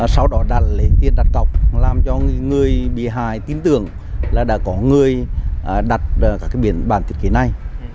sau đó đã lấy tiền đặt cọc làm cho người bị hại tin tưởng là đã có người đặt các biển bản thiết kế này